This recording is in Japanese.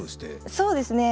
そうですね